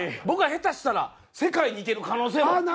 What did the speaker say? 僕は下手したら世界に行ける可能性も。